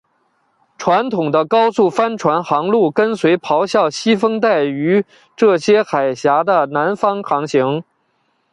传统的高速帆船航路跟随咆哮西风带于这些海岬的南方航行。